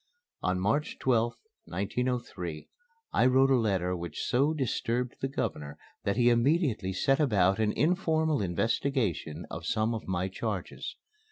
On March 12th, 1903, I wrote a letter which so disturbed the Governor that he immediately set about an informal investigation of some of my charges.